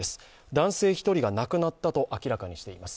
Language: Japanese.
男性１人が亡くなったと明らかにしています。